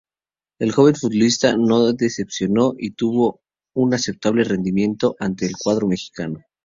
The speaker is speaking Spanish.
El joven futbolista no decepcionó y tuvo un aceptable rendimiento ante el cuadro mexicano.